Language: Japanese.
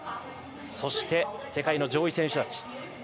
そして、世界の上位選手たち。